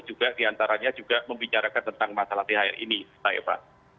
juga diantaranya juga membicarakan tentang masalah thr ini pak eva